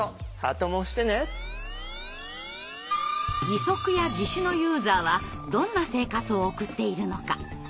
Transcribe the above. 義足や義手のユーザーはどんな生活を送っているのか。